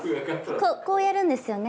こうやるんですよね。